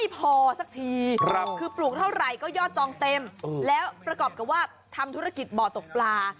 พอสักทีคือปลูกเท่าไหร่ก็ยอดจองเต็มแล้วประกอบกับว่าทำธุรกิจบ่อตกปลา